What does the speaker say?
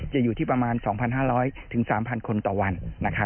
จะอยู่ที่ประมาณ๒๕๐๐ถึง๓๐๐๐คนต่อวันนะครับ